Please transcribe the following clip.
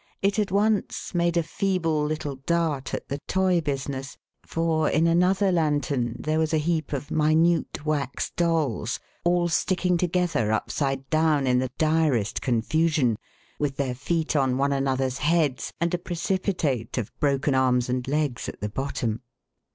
It had once made a feeble little dart at the toy business ; for, in another lantern, there was a heap of minute wax dolls, all sticking together upside down, in the direst confusion, with their feet on one another's heads, and a precipitate of broken arms and legs at the bottom.